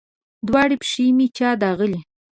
دواړې پښې مې چا داغلي